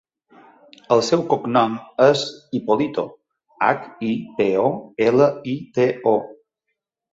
El seu cognom és Hipolito: hac, i, pe, o, ela, i, te, o.